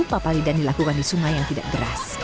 papalidan dilakukan di sungai yang tidak deras